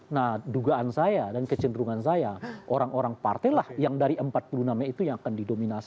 nah dugaan saya dan kecenderungan saya orang orang partai lah yang dari empat puluh enam itu yang akan didominasi